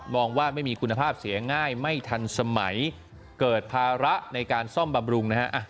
ว่าไม่มีคุณภาพเสียง่ายไม่ทันสมัยเกิดภาระในการซ่อมบำรุงนะฮะ